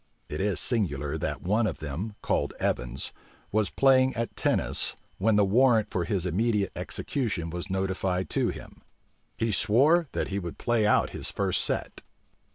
It is singular, that one of them, called Evans, was playing at tennis when the warrant for his immediate execution was notified to him: he swore that he would play out his set first.